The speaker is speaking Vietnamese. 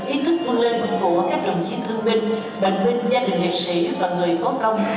ý thức vươn lên của các đồng chí thương minh bệnh minh gia đình việt sĩ và người có công